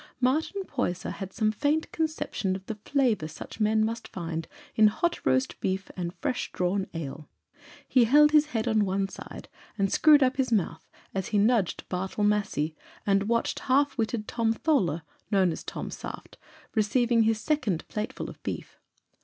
Martin Poyser had some faint conception of the flavour such men must find in hot roast beef and fresh drawn ale. He held his head on one side, and screwed up his mouth, as he nudged Bartle Massey, and watched half witted Tom Tholer, otherwise known as "Tom Saft," receiving his second plateful of beef.